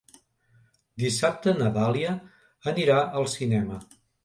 Dissabte na Dàlia anirà al cinema.